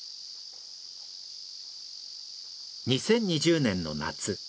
２０２０年の夏。